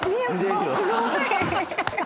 すごい。